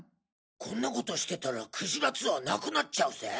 こんなことしてたらクジラツアーなくなっちゃうぜ。